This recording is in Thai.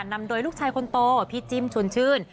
นำโดยลูกชายคนโตพี่จิ้มชวนชื่น